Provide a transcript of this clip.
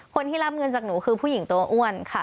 คนที่รับเงินจากหนูคือผู้หญิงตัวอ้วนค่ะ